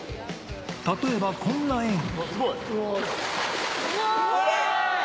例えば、こんな演技。